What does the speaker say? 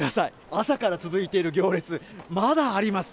朝から続いている行列、まだあります。